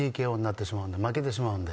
負けてしまうので。